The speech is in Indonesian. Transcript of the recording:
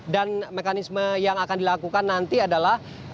dan mekanisme yang akan dilakukan nanti adalah